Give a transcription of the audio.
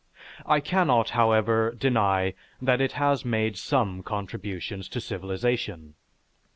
I cannot, however, deny that it has made some contributions to civilization.